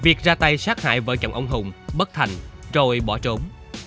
việc ra tay sát hại vợ chồng ông hùng bất thành rồi bỏ trốn